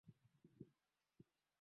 Anacheza na simu yangu